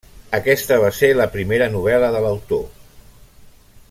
Aquesta va ser la primera novel·la de l'autor.